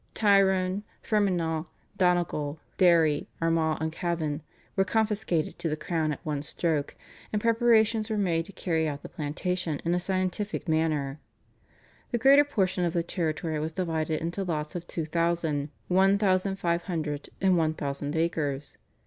Tyrone, Fermanagh, Donegal, Derry, Armagh, and Cavan were confiscated to the crown at one stroke, and preparations were made to carry out the plantation in a scientific manner. The greater portion of the territory was divided into lots of two thousand, one thousand five hundred, and one thousand acres.